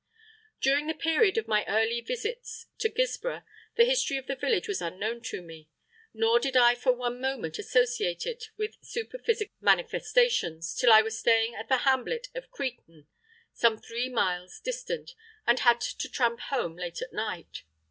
During the period of my early visits to Guilsborough, the history of the village was unknown to me, nor did I for one moment associate it with superphysical manifestations till I was staying at the hamlet of Creaton, some three miles distant, and had to tramp home late at night.